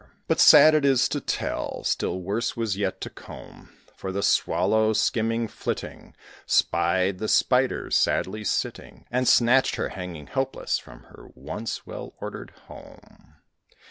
But sad it is to tell! still worse was yet to come, For the Swallow, skimming, flitting, Spied the Spider sadly sitting, And snatched her hanging helpless from her once well ordered home.